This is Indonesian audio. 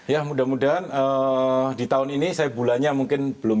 ya mudah mudahan di tahun ini saya bulannya mungkin belum